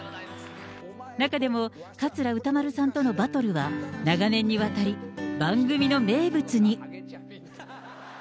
中でも桂歌丸さんとのバトルは、長年にわたり、番組の名物に。